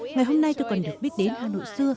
ngày hôm nay tôi còn được biết đến hà nội xưa